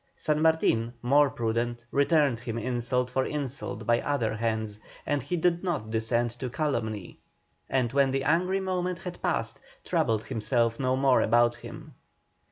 San Martin, more prudent, returned him insult for insult by other hands, but he did not descend to calumny, and when the angry moment had passed, troubled himself no more about him.